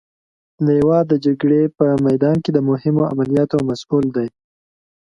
لوا د جګړې په میدان کې د مهمو عملیاتو مسئول دی.